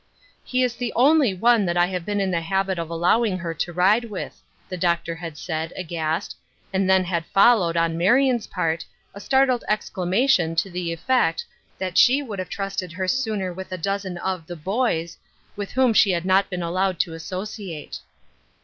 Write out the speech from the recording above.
•' He is the only one I have been in the habit of allowing her to ride with," the father had said, aghast, and then had followed, on Marion's part, a startled exclamation to the effect that she would have trusted her sooner with a dozen Other People's Crosses. 161 of " the boys " with whom she had not been allowed to associate.